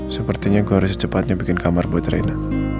sepertinya gue harus secepatnya bikin kamar buat rena